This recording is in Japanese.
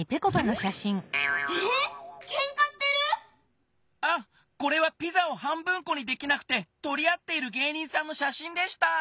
ええっけんかしてる⁉あこれはピザを半分こにできなくてとりあっている芸人さんのしゃしんでした！